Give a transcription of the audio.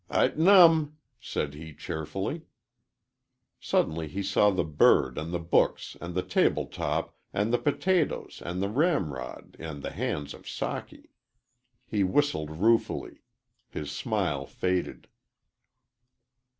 "I tnum!" said he, cheerfully. Suddenly he saw the bird and the books and the table top and the potatoes and the ramrod and the hands of Socky. He whistled ruefully; his smile faded.